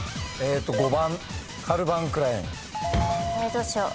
どうしよう。